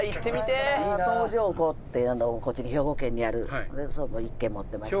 東条湖ってこっちに兵庫県にあるそこに１軒持ってまして。